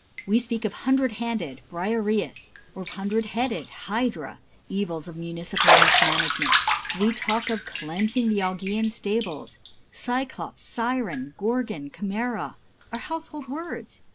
We speak of "hundred handed" (Briareus) or "hundred headed" (Hydra) evils of municipal mismanagement; we talk of "cleansing the Augean stables"; Cyclops, Siren, Gorgon, Chimæra, are household words.